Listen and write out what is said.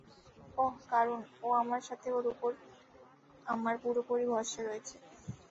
ওহ, কারুন, ও আমার সাথে ওর উপর আমার পুরোপুরি ভরসা রয়েছে।